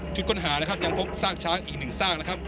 ชุดค้นหานะครับยังพบซากช้างอีก๑ซากนะครับ